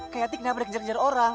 kayati kenapa dia kenceng kenceng orang